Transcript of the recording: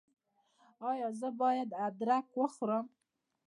ایا زه باید ادرک وخورم؟